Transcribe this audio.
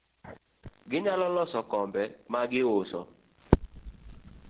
Ginyalo loso kembe ma giuso